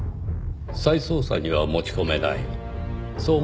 再捜査には持ち込めないそう思った。